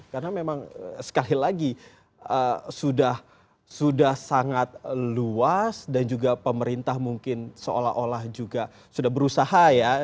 karena memang sekali lagi sudah sangat luas dan juga pemerintah mungkin seolah olah juga sudah berusaha ya